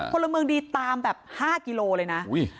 พลเมืองดีตามแบบห้ากิโลเลยน่ะอุ้ย